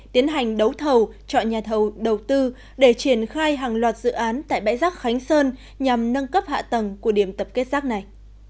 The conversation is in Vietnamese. tiến hành đấu thầu chọn nhà thầu đầu tư để triển khai hàng loạt dự án tại bãi rác khánh sơn nhằm nâng cấp hạ tầng của điểm tập kết rác này